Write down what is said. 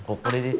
これ？